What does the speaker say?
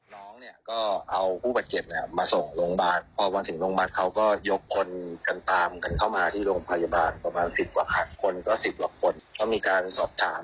ที่ส่งผลประทบทำให้อาสาทธรรมักเห็นแค่ผลประโยชน์